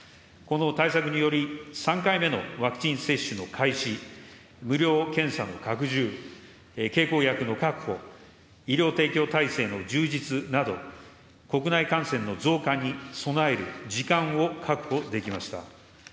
この対策により、３回目のワクチン接種の開始、無料検査の拡充、経口薬の確保、医療提供体制の充実など、国内感染の増加に備える時間を確保できました。